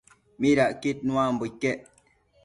midacquid nuambo iquec?